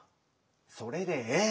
それでええ。